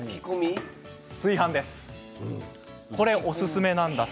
炊飯です。